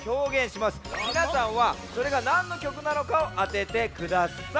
みなさんはそれがなんのきょくなのかをあててください。